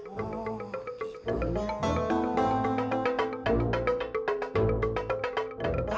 oh gitu ya